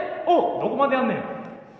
どこまでやんねん。